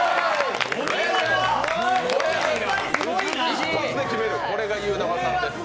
一発で決める、これがゆーだまさんです。